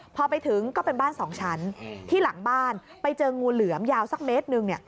พอไปถึงก็เป็นบ้านสองชั้นที่หลังบ้านไปเจองูเหลือมยาวสักเมตรหนึ่ง